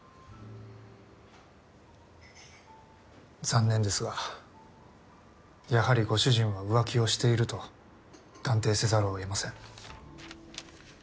残念ですがやはりご主人は浮気をしていると断定せざるを得ません。